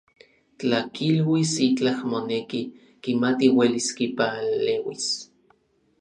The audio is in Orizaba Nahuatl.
Tla kiluis itlaj moneki, kimati uelis kipaleuis.